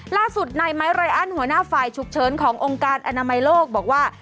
ล่าสุดในไม้ไรอันหัวหน้าฝ่ายฉุกเฉินขององค์การอนามัยโลกบอกว่า